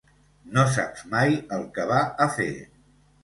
No saps mai el que va a fer.